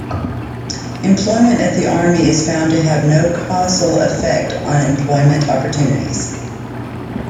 Employment at the army is found to have no causal effect on employment opportunities.